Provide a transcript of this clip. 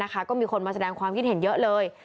ก็มีคนมาแสดงความคิดเห็นเยอะเลย